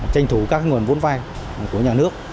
tranh thủ các nguồn vốn vai của nhà nước